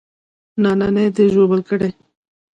نانى دې ژوبل کړى.